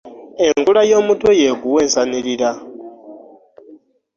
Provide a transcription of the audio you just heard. Enkula y'omutwe, y'ekuwa ensanirira.